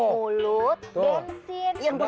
hyo roc di yang